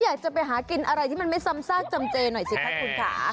อยากจะไปหากินอะไรที่มันไม่ซ้ำซากจำเจหน่อยสิคะคุณค่ะ